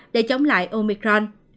để chống lại omicron